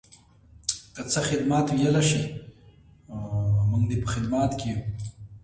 Content distribution was done through the Napster sharing program.